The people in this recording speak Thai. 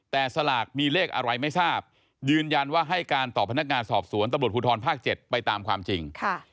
แต่สลากมีเลขอะไรไม่ทราบยืนยันว่าให้การต่อพนักงานสอบสวนตำรวจภูทรภาค๗ไปตามความจริง